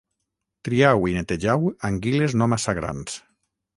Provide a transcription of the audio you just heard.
Triau i netejau anguiles no massa grans